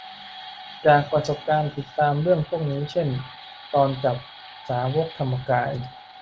จากประสบการณ์ติดตามเรื่องพวกนี้ เช่น ตอนจับสาวกธรรมกาย